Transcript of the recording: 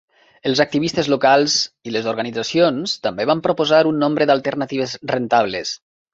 Els activistes locals i les organitzacions també van proposar un nombre d'alternatives rentables.